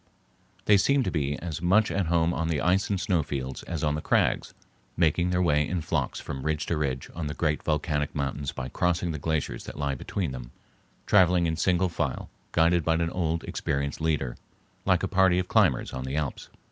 They seem to be as much at home on the ice and snowfields as on the crags, making their way in flocks from ridge to ridge on the great volcanic mountains by crossing the glaciers that lie between them, traveling in single file guided by an old experienced leader, like a party of climbers on the Alps.